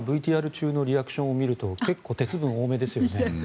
ＶＴＲ中のリアクションを見ると結構鉄分多めですよね。